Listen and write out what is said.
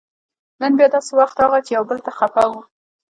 نن بیا داسې وخت راغی چې یو بل ته خپه وو